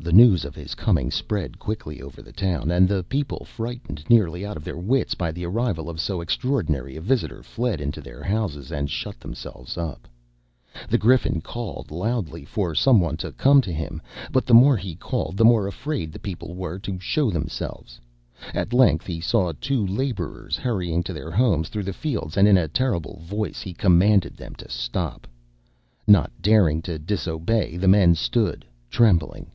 The news of his coming spread quickly over the town, and the people, frightened nearly out of their wits by the arrival of so extraordinary a visitor, fled into their houses, and shut themselves up. The Griffin called loudly for some one to come to him, but the more he called, the more afraid the people were to show themselves. At length he saw two laborers hurrying to their homes through the fields, and in a terrible voice he commanded them to stop. Not daring to disobey, the men stood, trembling.